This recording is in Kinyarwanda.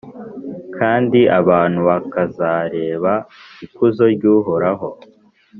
kandi abantu bakazareba ikuzo ry’Uhoraho,